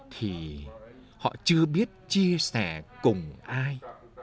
thì họ chưa biết chia sẻ cùng ai